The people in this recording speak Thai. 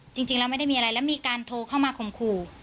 จริงแล้วไม่ได้มีอะไรแล้วมีการโทรเข้ามาข่มขู่